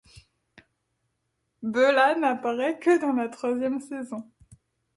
Bela n'apparait que dans la troisième saison.